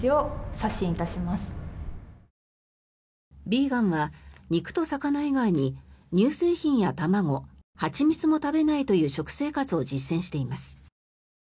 ビーガンは肉と魚以外に乳製品や卵蜂蜜も食べないという食生活を実践しています。